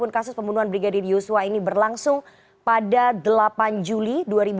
kasus pembunuhan brigadir yusua ini berlangsung pada delapan juli dua ribu dua puluh